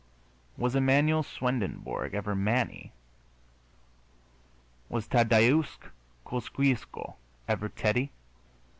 Was Emmanuel Swendenborg ever Manny? Was Tadeusz Kosciusko ever Teddy?